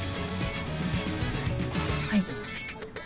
はい。